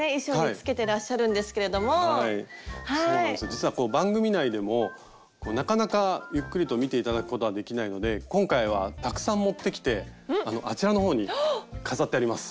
実は番組内でもなかなかゆっくりと見て頂くことはできないので今回はたくさん持ってきてあのあちらの方に飾ってあります。